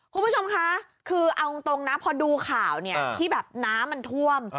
คุณผู้ชมคะคือเอาตรงนะพอดูข่าวเนี่ยที่แบบน้ำมันท่วม